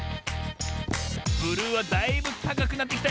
ブルーはだいぶたかくなってきたよ。